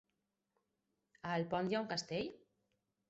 A Alpont hi ha un castell?